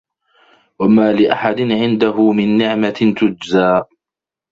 وَما لِأَحَدٍ عِندَهُ مِن نِعمَةٍ تُجزى